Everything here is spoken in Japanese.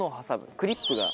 クリップが。